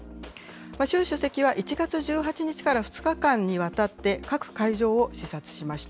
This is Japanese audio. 習主席は１月１８日から２日間にわたって、各会場を視察しました。